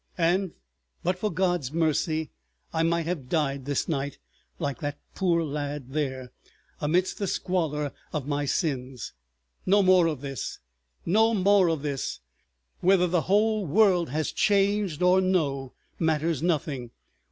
And, but for God's mercy, I might have died this night—like that poor lad there—amidst the squalor of my sins! No more of this! No more of this!—whether the whole world has changed or no, matters nothing.